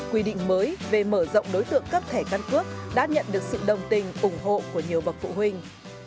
quy định mới về mở rộng đối tượng cấp thẻ căn cước đã nhận được sự đồng tình ủng hộ của nhiều bậc phụ huynh